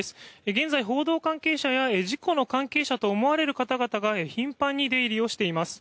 現在、報道関係者や事故の関係者と思われる方々が頻繁に出入りをしています。